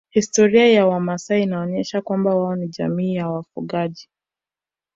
Historia ya wamasai inaonyesha kwamba wao ni jamii ya wafugaji